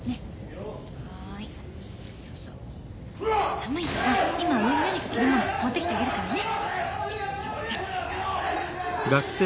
寒いから今上に何か着るもの持ってきてあげるからね。